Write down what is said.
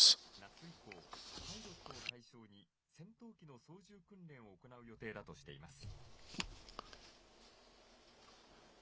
夏以降、パイロットを対象に戦闘機の操縦訓練を行う予定だとしています。